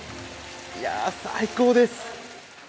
いや、最高です。